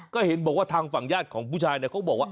ก็เห็นบอกว่าทางฝั่งญาติของผู้ชายเนี่ยเขาบอกว่า